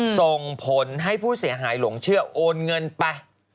ส่งผลให้ผู้เสียหายหลงเชื่อโอนเงินไป